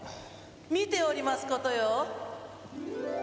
見ておりますことよ。